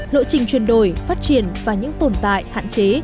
lộ trình chuyển đổi phát triển và những tồn tại hạn chế